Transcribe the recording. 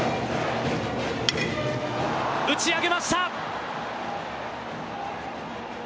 打ち上げました！